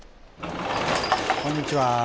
こんにちは。